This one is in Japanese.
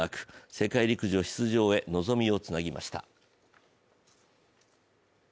世界陸上出場へ望みをつなぎました。